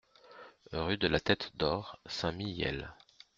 Rue de la Tête d'Or, Saint-Mihiel